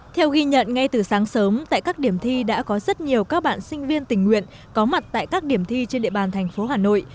theo ghi nhận ngay từ sáng sớm tại các điểm thi đã có rất nhiều các bạn sinh viên tình nguyện có mặt tại các điểm thi trên địa bàn thành phố hà nội